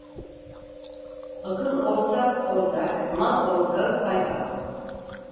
Akıl ortak ortak, mal ortağı kaypak.